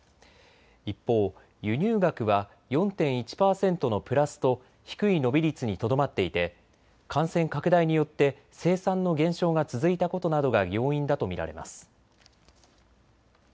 一方、輸入額は４．１％のプラスと低い伸び率にとどまっていて感染拡大によって生産の減少が続いたことなどが要因だと見られます。